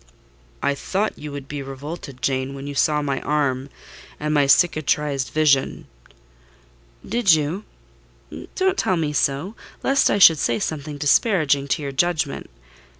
"I thought you would be revolted, Jane, when you saw my arm, and my cicatrised visage." "Did you? Don't tell me so—lest I should say something disparaging to your judgment.